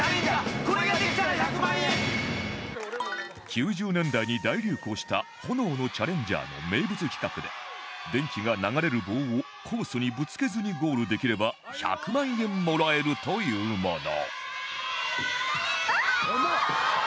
９０年代に大流行した『炎のチャレンジャー』の名物企画で電気が流れる棒をコースにぶつけずにゴールできれば１００万円もらえるというもの